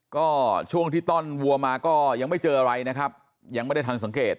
ก็ช่วงที่ต้อนวัวมาก็ยังไม่เจออะไรนะครับยังไม่ได้ทันสังเกต